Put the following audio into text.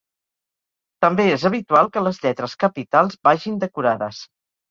També és habitual que les lletres capitals vagin decorades.